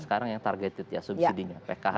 sekarang yang target ya subsidinya pkh